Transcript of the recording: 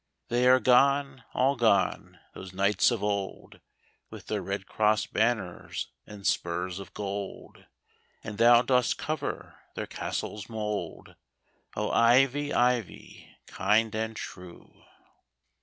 They are gone, all gone, those knights of old. With their red cross banners and spurs of gold, And thou dost cover their castle's mould, O, Ivy, Ivy, kind and true